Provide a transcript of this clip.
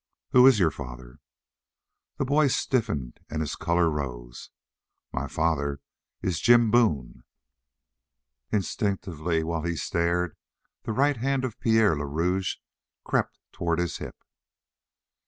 "Who is your father?" The boy stiffened and his color rose. "My father is Jim Boone." Instinctively, while he stared, the right hand of Pierre le Rouge crept toward his hip.